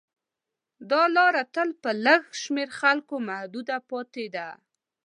دا لاره تل په لږ شمېر خلکو محدوده پاتې ده.